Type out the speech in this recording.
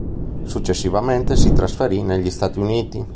Successivamente si trasferì negli Stati Uniti.